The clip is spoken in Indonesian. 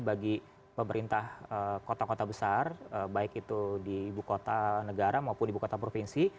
bagi pemerintah kota kota besar baik itu di ibu kota negara maupun ibu kota provinsi